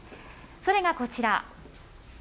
それがこちら。